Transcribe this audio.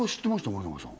森永さん